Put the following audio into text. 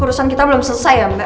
urusan kita belum selesai ya mbak